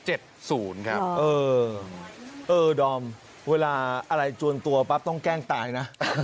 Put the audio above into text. เออดอมเวลาอะไรจวนตัวปั๊บต้องแกล้งตายนะ